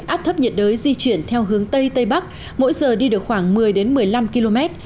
áp thấp nhiệt đới di chuyển theo hướng tây tây bắc mỗi giờ đi được khoảng một mươi một mươi năm km